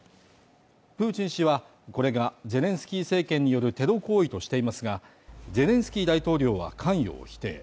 プーチン氏はこれがゼレンスキー政権によるテロ行為としていますが、ゼレンスキー大統領は関与を否定。